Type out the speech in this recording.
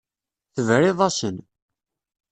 Tebriḍ-asen.